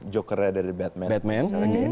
jokernya dari batman